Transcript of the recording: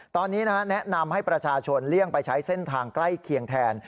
ตอนนี้แนะนำให้ประชาชนเลี่ยงไปใช้เส้นทางใกล้เคียงแทน